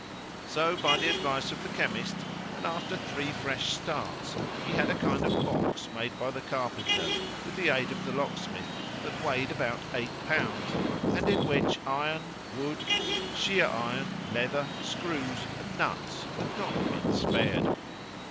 So by the advice of the chemist, and after three fresh starts, he had a kind of box made by the carpenter, with the aid of the locksmith, that weighed about eight pounds, and in which iron, wood, sheer iron, leather, screws, and nuts had not been spared.